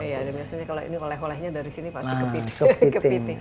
iya dan biasanya kalau ini oleh olehnya dari sini pasti kepiting